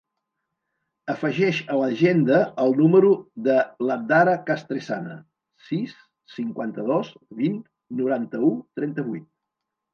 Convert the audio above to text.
Afegeix a l'agenda el número de l'Adhara Castresana: sis, cinquanta-dos, vint, noranta-u, trenta-vuit.